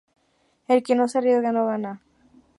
El que no se arriesga no gana